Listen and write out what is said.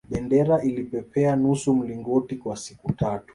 bendera ilipepea nusu mlingoti kwa siku tatu